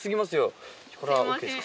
これはＯＫですか？